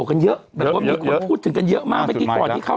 กันเยอะหย่อหยือที่เขา